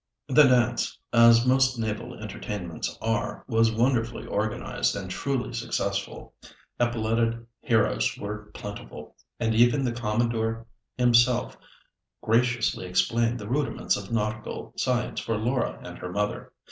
The dance, as most naval entertainments are, was wonderfully organised, and truly successful. Epauletted heroes were plentiful, and even the Commodore himself graciously explained the rudiments of nautical science to Laura and her mother.